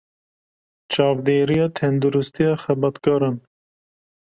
Çavdêriya Tenduristiya Xebatkaran